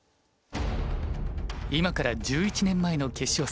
今から１１年前の決勝戦。